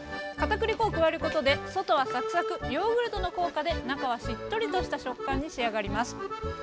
かたくり粉を加えることで外はサクサクヨーグルトの効果で中はしっとりとした食感に仕上がります。